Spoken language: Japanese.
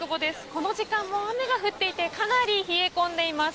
この時間も雨が降っていてかなり冷え込んでいます。